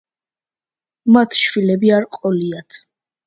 მათ შვილები არ ყოლიათ.